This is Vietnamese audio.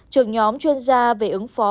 trưởng nhóm chuyên gia về ứng phó